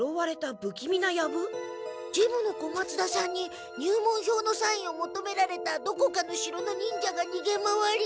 事務の小松田さんに入門票のサインをもとめられたどこかの城の忍者がにげ回り。